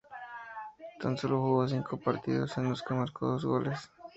Tan sólo jugó cinco partidos, en los que marcó dos goles.